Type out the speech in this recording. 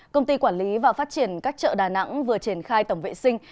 công ty quản lý và phát triển các chợ đà nẵng vừa triển khai tổng vệ sinh